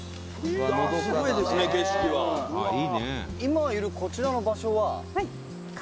「今いるこちらの場所は？」